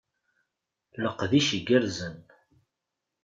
Leqdic igerrzen!